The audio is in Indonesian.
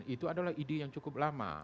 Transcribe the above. itu adalah ide yang cukup lama